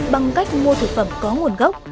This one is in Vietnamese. bằng cách mua thực phẩm có nguồn gốc